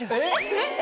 えっ？